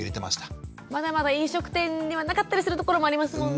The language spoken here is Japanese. まだまだ飲食店にはなかったりする所もありますもんね。